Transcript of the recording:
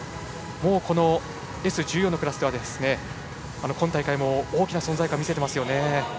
このＳ１４のクラスでは今大会も大きな存在感を見せていますよね。